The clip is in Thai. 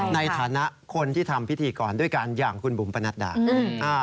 ในฐานะคนที่ทำพิธีกรด้วยกันอย่างคุณบุ๋มปนัดดา